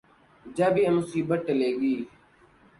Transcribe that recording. جب یہ مصیبت ٹلے گی۔